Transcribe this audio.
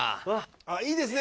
あっいいですね